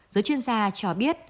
giới chuyên gia cho biết